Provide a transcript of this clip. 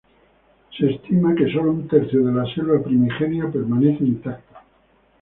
Se estima que sólo un tercio de la selva primigenia permanece intacta.